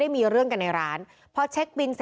พวกมันต้องกินกันพี่